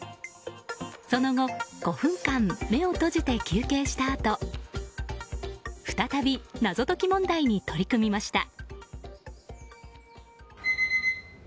そのあと５分間目を閉じて休憩したあと再び謎解き問題に取り組みました。